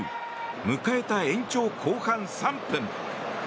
迎えた延長後半３分。